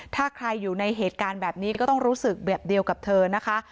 ถ้าใครอยู่ในเหตุการณ์แบบนี้ก็ต้องรู้สึกแบบเดียวกับเธอนะคะ